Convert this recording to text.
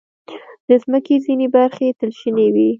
د مځکې ځینې برخې تل شنې وي.